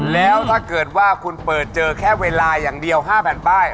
แล้วถ้าเกิดว่าคุณเปิดเจอแค่เวลาอย่างเดียว๕แผ่นป้าย